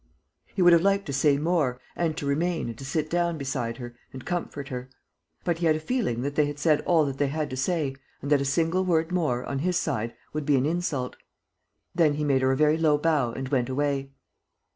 ..." He would have liked to say more and to remain and to sit down beside her and comfort her. But he had a feeling that they had said all that they had to say and that a single word more, on his side, would be an insult. Then he made her a very low bow and went away.